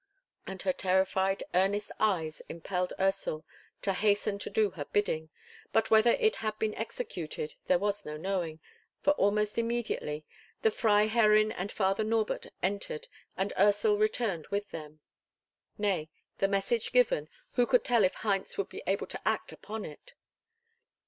And her terrified earnest eyes impelled Ursel to hasten to do her bidding; but whether it had been executed, there was no knowing, for almost immediately the Freiherrinn and Father Norbert entered, and Ursel returned with them. Nay, the message given, who could tell if Heinz would be able to act upon it?